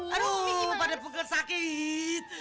aduh pada pegel sakit